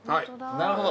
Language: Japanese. なるほど。